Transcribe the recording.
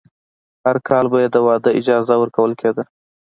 هر کال به یې د واده اجازه ورکول کېده.